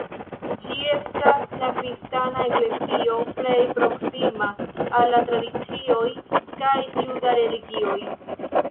Ĝi estas la kristana eklezio plej proksima al la tradicioj kaj juda religioj.